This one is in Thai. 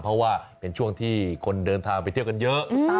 เพราะว่าเป็นช่วงที่คนเดินทางไปเที่ยวกันเยอะ